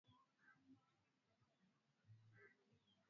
tu na hahisi hisia za dhati anaweza kuwa